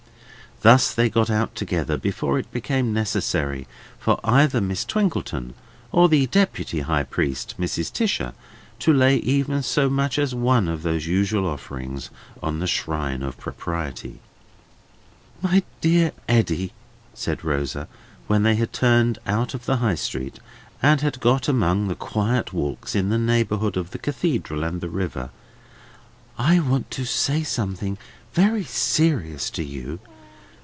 Thus they got out together before it became necessary for either Miss Twinkleton, or the deputy high priest Mrs. Tisher, to lay even so much as one of those usual offerings on the shrine of Propriety. "My dear Eddy," said Rosa, when they had turned out of the High Street, and had got among the quiet walks in the neighbourhood of the Cathedral and the river: "I want to say something very serious to you.